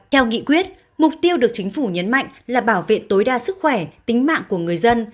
theo nghị quyết mục tiêu được chính phủ nhấn mạnh là bảo vệ tối đa sức khỏe tính mạng của người dân